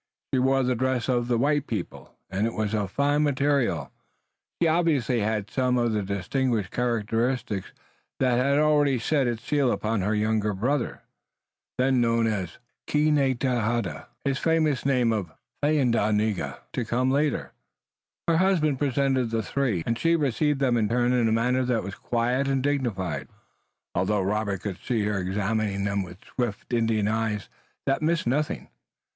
She wore the dress of the white people, and it was of fine material. She obviously had some of the distinguished character that had already set its seal upon her young brother, then known as Keghneghtada, his famous name of Thayendanegea to come later. Her husband presented the three, and she received them in turn in a manner that was quiet and dignified, although Robert could see her examining them with swift Indian eyes that missed nothing.